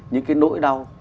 những cái nỗi đau